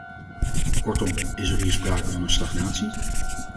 Kortom, is er hier sprake van een stagnatie?